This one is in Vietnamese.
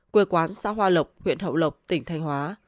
quê quán xã hoa lộc huyện hậu lộc tỉnh thanh hóa